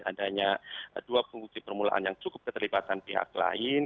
adanya dua pembukti permulaan yang cukup keterlibatan pihak lain